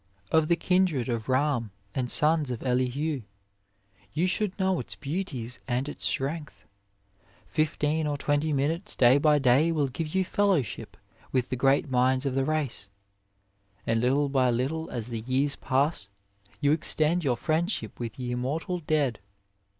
Of the kindred of Ram and sons of Elihu, you should know its beauties and its strength. Fif teen or twenty minutes day by day will give you fellowship with the great minds of the race, and 57 A WAY little by little as the years pass you extend your friendship with the immortal dead.